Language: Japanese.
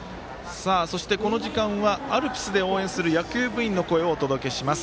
そして、この時間はアルプスで応援する野球部員の声をお届けします。